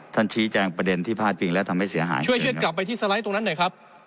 ท่านกลับไปที่สไลด์ตรงนั้นน่ะนะครับ